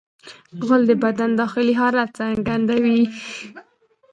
غول د بدن داخلي حالت څرګندوي.